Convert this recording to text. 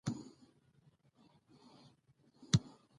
ولې هغوي زړونه مات کړل.